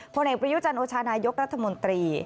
คนแห่งประยุจันทร์โอชาญายกรัฐมนตรี